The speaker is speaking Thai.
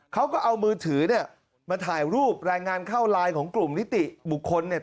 เขาก็เอามือถือเนี่ยมาถ่ายรูปรายงานเข้าไลน์ของกลุ่มนิติบุคคลเนี่ย